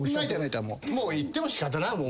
もう行っても仕方ないもん。